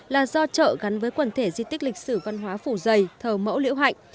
là do chợ gắn với quần thể di tích lịch sử văn hóa phủ dày thờ mẫu liễu hạnh